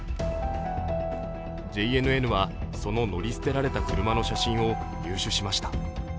ＪＮＮはその乗り捨てられた車の写真を入手しました。